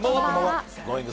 Ｇｏｉｎｇ！